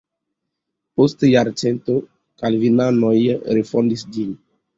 Post jarcento kalvinanoj refondis ĝin.